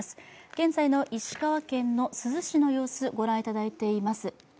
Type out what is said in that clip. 現在の石川県珠洲市の様子ご覧いただいています。